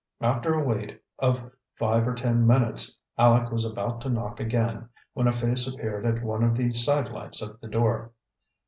After a wait of five or ten minutes Aleck was about to knock again, when a face appeared at one of the side lights of the door.